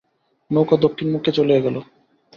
নৌকা দক্ষিণমুখে চলিয়া গেল।